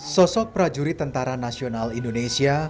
sosok prajurit tentara nasional indonesia